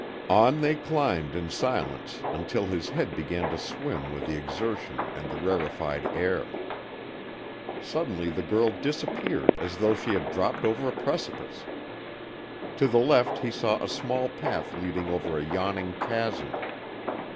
On they climbed in silence until his head began to swim with the exertion and the rarefied air. Suddenly the girl disappeared as though she had dropped over a precipice. To the left he saw a small path leading over a yawning chasm.